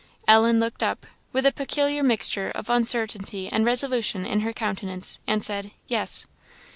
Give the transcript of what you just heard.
Ellen looked up, with a peculiar mixture of uncertainty and resolution in her countenance, and said, "Yes."